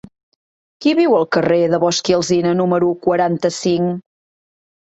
Qui viu al carrer de Bosch i Alsina número quaranta-cinc?